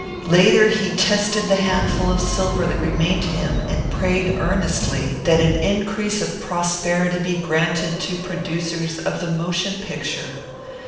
Later he tested the handful of silver that remained to him and prayed earnestly that an increase of prosperity be granted to producers of the motion picture.